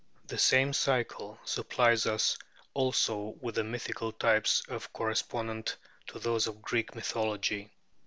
The same cycle supplies us also with the mythical types correspondent to those of the Greek mythology: _e.